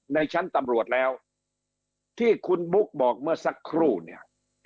ในชั้นตำรวจแล้วที่คุณบุ๊กบอกเมื่อสักครู่เนี่ย